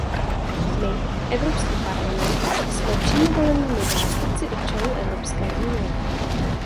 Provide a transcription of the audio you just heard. My, Evropský parlament, jsme přímo volenými zástupci občanů Evropské unie.